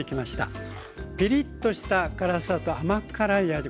ピリッとした辛さと甘辛い味